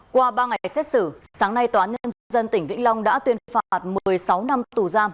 qua ba ngày xét xử sáng nay tòa nhân dân tỉnh vĩnh long đã tuyên phạt một mươi sáu năm tù giam